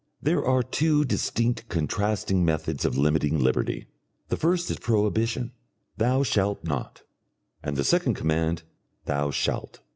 There are two distinct and contrasting methods of limiting liberty; the first is Prohibition, "thou shalt not," and the second Command, "thou shalt."